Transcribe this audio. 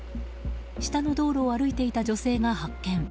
下の道路を歩いていた女性が発見。